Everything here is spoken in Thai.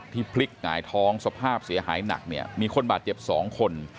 พลิกหงายท้องสภาพเสียหายหนักเนี่ยมีคนบาดเจ็บ๒คน